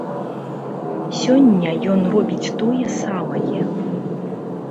Сёння ён робіць тое самае.